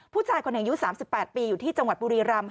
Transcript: ผู้ชายคนหนึ่งอายุ๓๘ปีอยู่ที่จังหวัดบุรีรำ